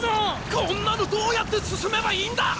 こんなのどうやって進めばいいんだ！